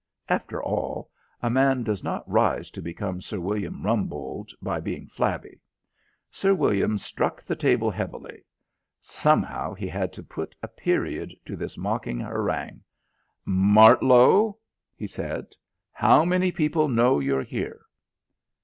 After all, a man does not rise to become Sir William Rumbold by being flabby. Sir William struck the table heavily. Somehow he had to put a period to this mocking harangue. "Martlow," he said, "how many people know you're here?"